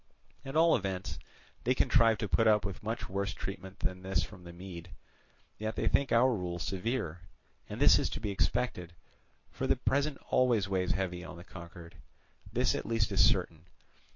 At all events they contrived to put up with much worse treatment than this from the Mede, yet they think our rule severe, and this is to be expected, for the present always weighs heavy on the conquered. This at least is certain.